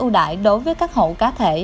ưu đại đối với các hộ cá thể